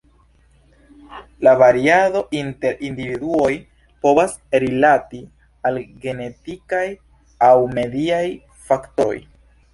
La variado inter individuoj povas rilati al genetikaj aŭ mediaj faktoroj.